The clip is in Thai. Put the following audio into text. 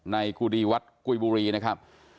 กุฎีวัดกุยบุรีนะครับ